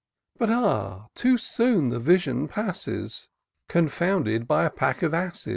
But, ah ! too soon the vision passes, Confounded by a pack of asses